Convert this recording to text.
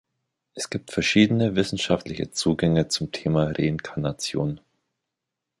Es gibt verschiedene wissenschaftliche Zugänge zum Thema Reinkarnation.